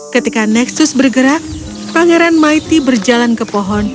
ketika neksus bergerak pangeran maiti berjalan ke pohon